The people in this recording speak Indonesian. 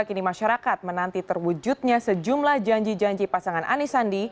kini masyarakat menanti terwujudnya sejumlah janji janji pasangan anisandi